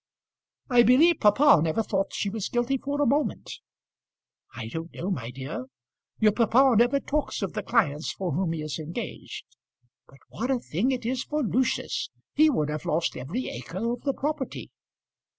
"I believe papa never thought she was guilty for a moment." "I don't know, my dear; your papa never talks of the clients for whom he is engaged. But what a thing it is for Lucius! He would have lost every acre of the property."